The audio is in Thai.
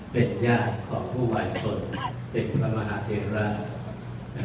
เป็นญาติของผู้บาดเจ็บเป็นพระมหาเทรา